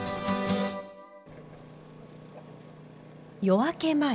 夜明け前。